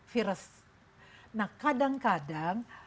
virus nah kadang kadang